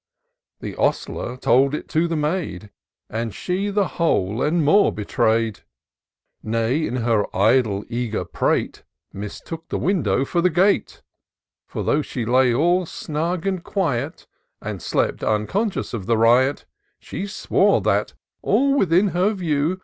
The ostler told it to the maid. And she the whole, and more, betray'd ; Nay, in her idle, eager prate. Mistook the window for the gate : For, though she lay all snug and quiet. And slept, unconscious of the riot, She swore that, all within her view.